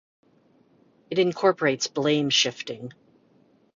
It incorporates blame shifting.